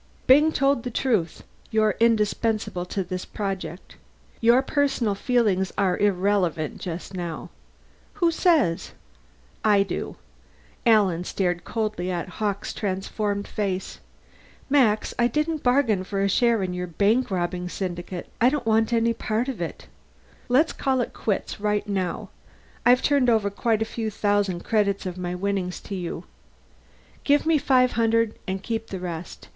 Byng told the truth: you're indispensable to this project. Your personal feelings are irrelevant just now." "Who says?" "I do." Alan stared coldly at Hawkes' transformed face. "Max, I didn't bargain for a share in your bank robbing syndicate. I don't want any part of it. Let's call it quits right now. I've turned over quite a few thousand credits of my winnings to you. Give me five hundred and keep the rest.